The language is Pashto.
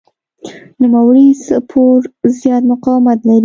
نوموړی سپور زیات مقاومت لري.